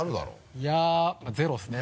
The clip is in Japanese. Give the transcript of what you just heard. いやゼロですね。